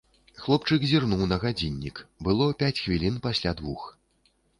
Хлопчык зірнуў на гадзіннік, было пяць хвілін пасля двух.